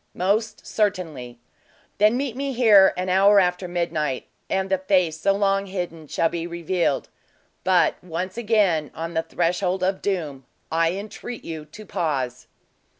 "Most certainly." "Then meet me here an hour after midnight, and the face so long hidden shall be revealed. But, once again, on the threshold of doom, I entreat you to pause."